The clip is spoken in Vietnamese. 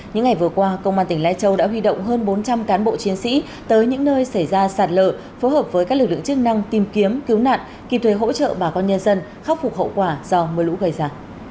những ngày vừa qua công an tỉnh lai châu đã huy động hơn bốn trăm linh cán bộ chiến sĩ tới những nơi xảy ra sạt lợi phối hợp với các lực lượng chức năng tìm kiếm cứu nạn kịp thuê hỗ trợ bà con nhân dân khắc phục hậu quả do mưa lũ gây ra